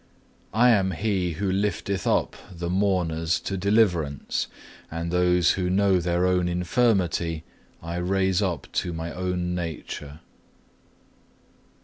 I am He who lifteth up the mourners to deliverance, and those who know their own infirmity I raise up to my own nature."